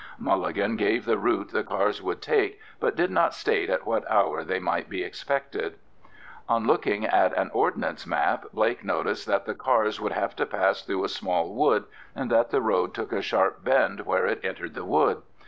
Mulligan gave the route the cars would take, but did not state at what hour they might be expected. On looking at an Ordnance map, Blake noticed that the cars would have to pass through a small wood, and that the road took a sharp bend where it entered the wood.